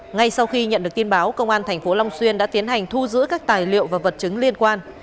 ngay sau khi nhận được tin báo công an tp long xuyên đã tiến hành thu giữ các tài liệu và vật chứng liên quan